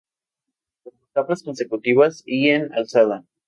Como etapas consecutivas y en alzada.